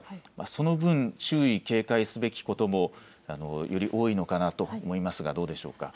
その分、注意、警戒すべきこともより多いのかなと思いますがどうでしょうか。